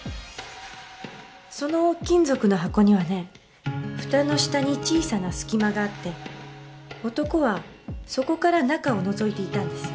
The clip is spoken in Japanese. その金属の箱にはねふたの下に小さな隙間があって男はそこから中をのぞいていたんですよ。